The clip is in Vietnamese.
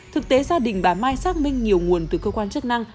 thực tế gia đình bà mai xác minh nhiều nguồn từ cơ quan chức năng